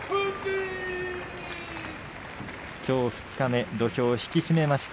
きょう二日目土俵を引き締めました